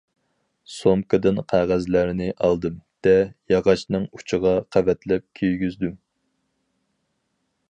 سومكىدىن قەغەزلەرنى ئالدىم- دە، ياغاچنىڭ ئۇچىغا قەۋەتلەپ كىيگۈزدۈم.